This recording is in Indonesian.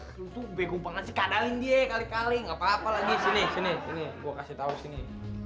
lu tuh begu banget sih kadalin dia kali kali nggak apa apa lagi sini sini sini gue kasih tahu sini